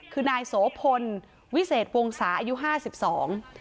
คือนายโสพลวิเศษวงศาอายุห้าสิบสอง